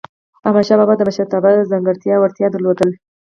احمدشاه بابا د مشرتابه ځانګړی وړتیا درلودله.